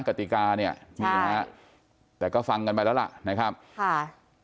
กติกาเนี่ยนี่ฮะแต่ก็ฟังกันไปแล้วล่ะนะครับค่ะ